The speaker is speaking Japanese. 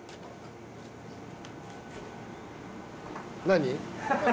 何？